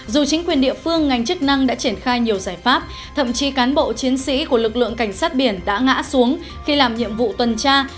dù chính quyền địa phương ngành chức năng đã triển khai nhiều giải pháp thậm chí cán bộ chiến sĩ của lực lượng cảnh sát biển đã ngã xuống khi làm nhiệm vụ tuần tra